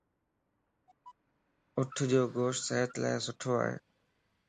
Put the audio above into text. اُٺَ جو گوشت صحت لا سٺو ائي.